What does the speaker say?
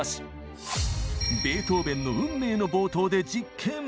ベートーベンの「運命」の冒頭で実験！